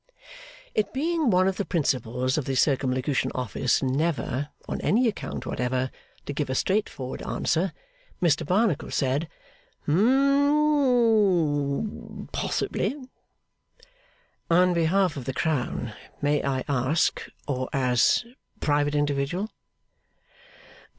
It being one of the principles of the Circumlocution Office never, on any account whatever, to give a straightforward answer, Mr Barnacle said, 'Possibly.' 'On behalf of the Crown, may I ask, or as private individual?